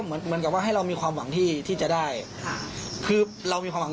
เหมือนกับว่าให้เรามีความหวังที่ที่จะได้ค่ะคือเรามีความหวัง